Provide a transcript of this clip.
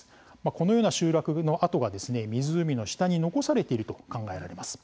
このような集落の跡が湖の下に残されていると考えられます。